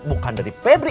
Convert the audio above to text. bukan dari pebri